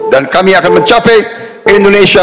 dan kami akan mencapai indonesia mars dua ribu empat puluh lima